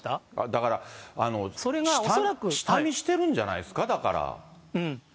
だから、下見してるんじゃないですか、だから。